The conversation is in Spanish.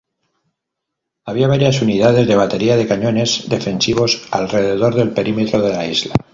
Había varias unidades de batería de cañones defensivos alrededor del perímetro de la isla.